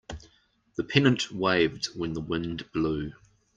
The pennant waved when the wind blew.